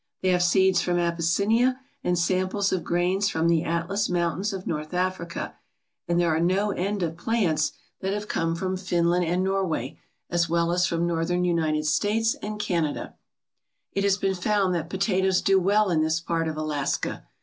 They have seeds from Abyssinia and samples of grains from the Atlas Mountains of North Africa and there are no end of plants that have come 149 ALASKA OUR NORTHERN WONDERLAND from Finland and Norway, as well as from northern United States and Canada, It has been found that potatoes do well in this part of Alaska.